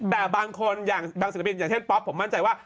แต่บางคนอย่างบางศิลปินอย่างเช่นป๊อปผมมั่นใจว่า